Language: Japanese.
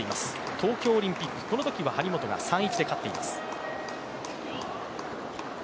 東京オリンピック、このとき張本が３−１で勝っています。